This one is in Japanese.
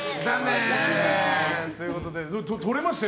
ということで取れましたよ。